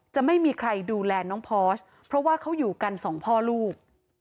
จะไม่มีใครดูแลน้องพอสเพราะว่าเขาอยู่กันสองพ่อลูก